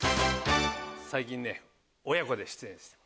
最近ね親子で出演してる。